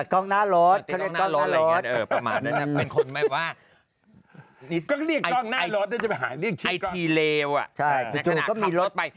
กล้องจับไปข้างหน้าอะไรอย่างนี้ใช่ไหม